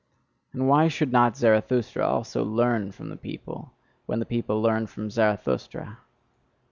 And why should not Zarathustra also learn from the people, when the people learn from Zarathustra?